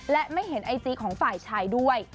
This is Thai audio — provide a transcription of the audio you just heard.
และไม่เห็นไอจีของฝ่ายชายด้วย